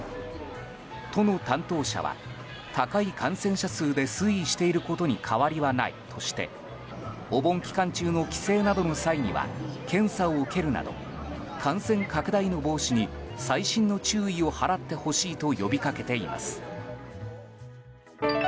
都の担当者は高い感染者数で推移していることに変わりはないとしてお盆期間中の帰省などの際には検査を受けるなど感染拡大の防止に細心の注意を払ってほしいと呼びかけています。